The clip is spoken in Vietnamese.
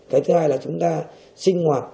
cái thứ hai là chúng ta sinh hoạt